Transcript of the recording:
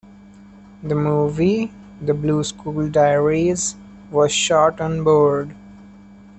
The movie "The Blue School Diaries" was shot on board.